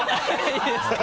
いいですか？